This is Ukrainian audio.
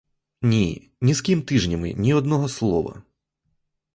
Ні, ні з ким тижнями ні одного слова.